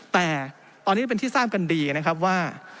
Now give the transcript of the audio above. แต่ตอนนี้เป็นที่ทราบกันดีนะครับว่า